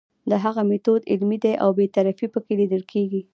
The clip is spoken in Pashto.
د هغه میتود علمي دی او بې طرفي پکې لیدل کیږي.